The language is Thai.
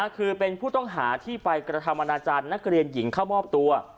คือเป็นผู้ต้องหาที่ไปกระทำอนาจารย์นักเรียนหญิงเข้ามอบตัว